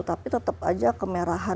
tapi tetap aja kemerahan